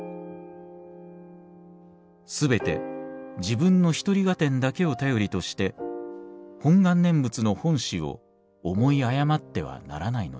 すべて自分の一人合点だけを頼りとして本願念仏の本旨を思い誤ってはならないのです。